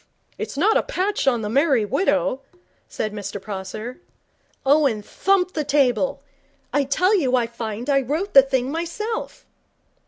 'It's not a patch on The Merry Widow,' said Mr Prosser. Owen thumped the table. 'I tell you I find I wrote the thing myself.'